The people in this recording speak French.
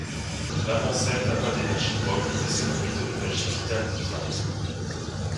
L'avant-scène n'a pas d'énergie propre, mais se nourrit de l'énergie vitale des femmes.